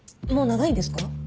もう長いんですか？